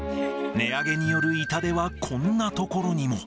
値上げによる痛手はこんなところにも。